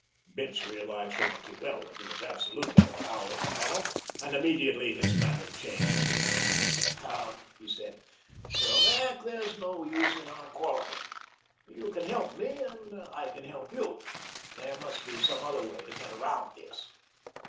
Bince realized only too well that he was absolutely in the power of the fellow and immediately his manner changed. "Come," he said, "Krovac, there is no use in our quarreling. You can help me and I can help you. There must be some other way to get around this."